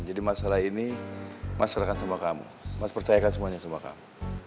jadi masalah ini mas serahkan sama kamu